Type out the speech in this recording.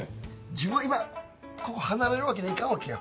自分今ここ離れるわけにはいかんわけよ。